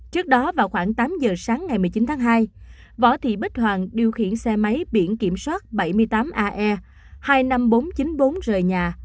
trước đó vào khoảng tám giờ sáng ngày một mươi chín tháng hai võ thị bích hoàng điều khiển xe máy biển kiểm soát bảy mươi tám ae hai mươi năm nghìn bốn trăm chín mươi bốn rời nhà